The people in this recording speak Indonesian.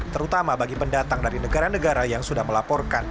terutama bagi pendatang dari negara negara yang sudah melaporkan